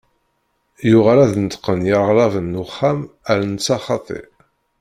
Yuɣal ad d-neṭqen yiɣraben n uxxam ar netta xaṭi.